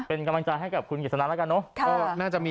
เป็นกำลังใจให้กับคุณกิจสนาแล้วกันเนอะ